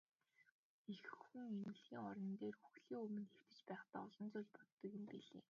Эх хүн эмнэлгийн орон дээр үхлийн өмнө хэвтэж байхдаа олон зүйл боддог юм билээ.